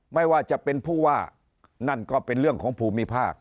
ไม่ว่าจะเป็นผู้ว่านั่นก็เป็นเรื่องของภูมิภาค